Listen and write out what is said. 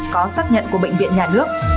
có xác nhận của bệnh viện nhà nước